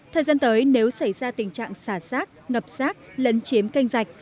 thời gian tới nếu xảy ra tình trạng xả sát ngập sát lấn chiếm kênh dạch